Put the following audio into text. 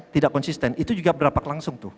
tidak konsisten itu juga berapak langsung tuh